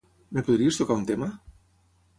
Em podries tocar un tema?